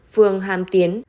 phường hàm tiến